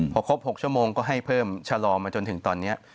พอครบ๖ชั่วโมงก็ให้เพิ่มชะลอมาจนถึงตอนนี้